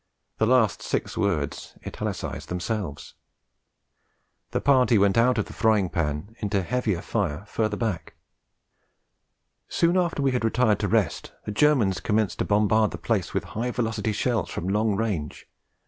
The last six words italicise themselves. The party went out of the frying pan into heavier fire further back: 'Soon after we had retired to rest the Germans commenced to bombard the place with high velocity shells from long range....